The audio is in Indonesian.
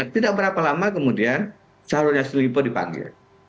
tidak berapa lama kemudian sarul yasudin lipo dipanggil